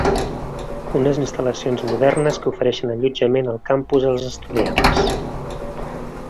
Unes instal·lacions modernes que ofereixen allotjament al campus als estudiants.